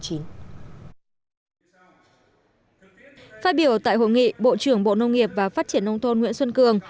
phát biểu tại hội nghị bộ trưởng bộ nông nghiệp và phát triển nông thôn nguyễn xuân cường